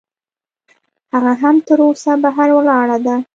هغه هم تراوسه بهر ولاړه ده.